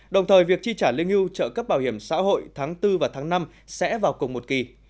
đồng thời việc chi trả lương hưu trợ cấp bảo hiểm xã hội tháng bốn và tháng năm sẽ vào cùng một kỳ